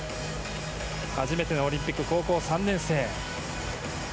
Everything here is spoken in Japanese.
初めてのオリンピック高校３年生。